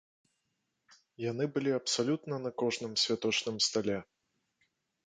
Яны былі абсалютна на кожным святочным стале!